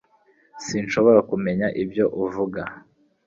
Sinshobora kumenya ibyo uvuga